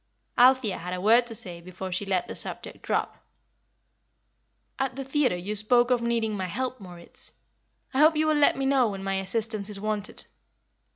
Althea had a word to say before she let the subject drop. "At the theatre you spoke of needing my help, Moritz. I hope you will let me know when my assistance is wanted."